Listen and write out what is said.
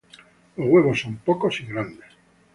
Los huevos son pocos y grandes.